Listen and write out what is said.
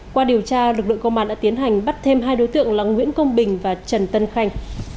qua điều tra lực lượng công an đã tiến hành bắt thêm hai đối tượng là nguyễn công bình và trần tân khanh